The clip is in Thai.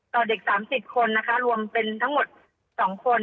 เด็ก๓๐คนนะคะรวมเป็นทั้งหมด๒คน